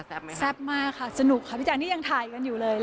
แซ่บมากค่ะสนุกค่ะพี่แจ๊นี่ยังถ่ายกันอยู่เลย